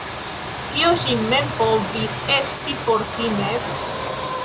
Kio ŝi mem povis esti por si mem?